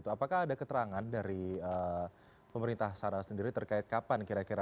apakah ada keterangan dari pemerintah sana sendiri terkait kapan kira kira